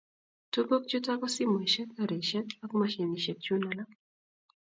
tuguk chuto ko simoshiek karishek ak mashinishik chun alak